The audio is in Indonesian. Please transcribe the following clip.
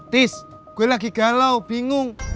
tis gue lagi galau bingung